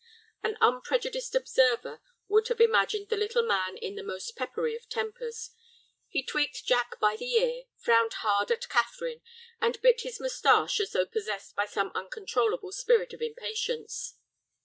An unprejudiced observer would have imagined the little man in the most peppery of tempers. He tweaked Jack by the ear, frowned hard at Catherine, and bit his mustache as though possessed by some uncontrollable spirit of impatience.